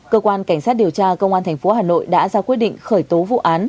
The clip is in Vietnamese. cơ quan cảnh sát điều tra công an tp hà nội đã ra quyết định khởi tố vụ án